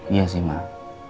iya sih mak